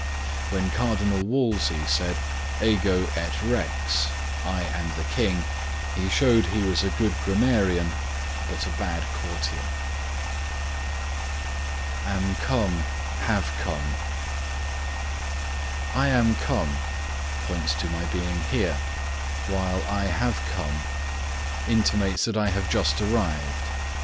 When Cardinal Wolsey said Ego et Rex (I and the King), he showed he was a good grammarian, but a bad courtier. AM COME HAVE COME "I am come" points to my being here, while "I have come" intimates that I have just arrived.